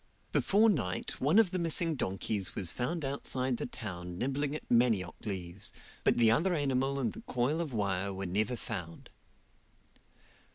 Before night one of the missing donkeys was found outside the town nibbling at manioc leaves, but the other animal and the coil of wire were never found.